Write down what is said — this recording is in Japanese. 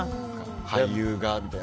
俳優がみたいな。